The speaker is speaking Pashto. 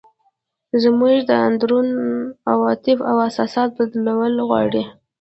زموږ د اندرون عواطف او احساسات بدلول غواړي.